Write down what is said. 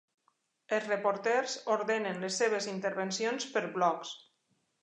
Els reporters ordenen les seves intervencions per blocs.